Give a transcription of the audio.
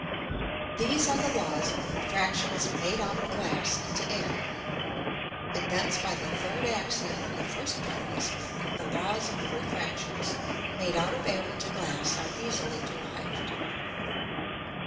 These are the Laws of the Refractions made out of Glass into Air, and thence by the third Axiom of the first Part of this Book, the Laws of the Refractions made out of Air into Glass are easily derived.